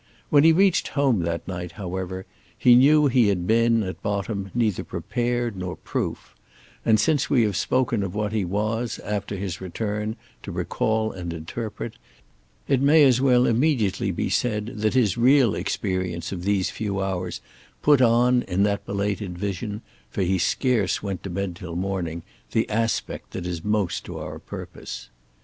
When he reached home that night, however, he knew he had been, at bottom, neither prepared nor proof; and since we have spoken of what he was, after his return, to recall and interpret, it may as well immediately be said that his real experience of these few hours put on, in that belated vision—for he scarce went to bed till morning—the aspect that is most to our purpose.